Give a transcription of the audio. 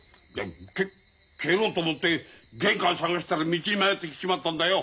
け帰ろうと思って玄関探したら道に迷って来ちまったんだよ。